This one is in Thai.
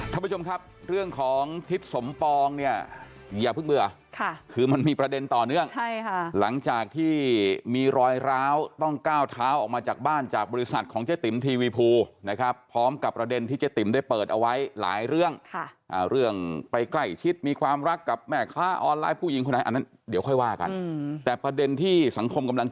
ท่านผู้ชมครับเรื่องของทิศสมปองเนี่ยอย่าเพิ่งเบื่อค่ะคือมันมีประเด็นต่อเนื่องใช่ค่ะหลังจากที่มีรอยร้าวต้องก้าวเท้าออกมาจากบ้านจากบริษัทของเจ๊ติ๋มทีวีภูนะครับพร้อมกับประเด็นที่เจ๊ติ๋มได้เปิดเอาไว้หลายเรื่องเรื่องไปใกล้ชิดมีความรักกับแม่ค้าออนไลน์ผู้หญิงคนไหนอันนั้นเดี๋ยวค่อยว่ากันแต่ประเด็นที่สังคมกำลัง